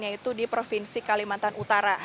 yaitu di provinsi kalimantan utara